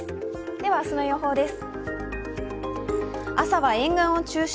では明日の予報です。